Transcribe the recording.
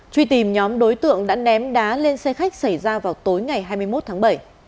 truy tìm nhóm đối tượng đã ném đá lên xe khách xảy ra vào tối ngày hai mươi một tháng bảy